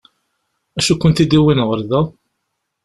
D acu i kent-id-yewwin ɣer da?